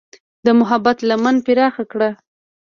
د محبت لمن پراخه کړه.